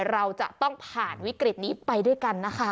เราจะต้องผ่านวิกฤตนี้ไปด้วยกันนะคะ